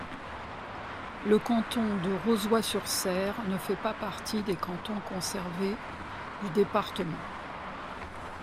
Le canton de Rozoy-sur-Serre ne fait pas partie des cantons conservés du département.